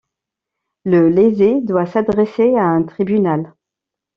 Le lésé doit s'adresser à un tribunal.